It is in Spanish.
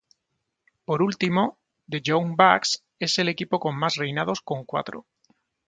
Por último, The Young Bucks es el equipo con más reinados con cuatro.